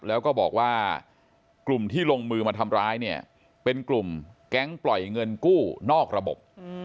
แล้วก็บอกว่ากลุ่มที่ลงมือมาทำร้ายเนี่ยเป็นกลุ่มแก๊งปล่อยเงินกู้นอกระบบ